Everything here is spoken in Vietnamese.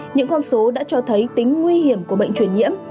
những con số đã cho thấy tính nguy hiểm của bệnh truyền nhiễm